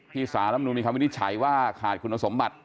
ที่สารมนุมีความวินิจฉัยว่าขาดคุณสมบัติ